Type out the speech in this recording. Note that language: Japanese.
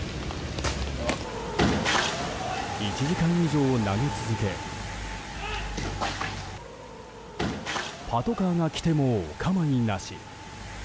１時間以上投げ続けパトカーが来てもお構いなし。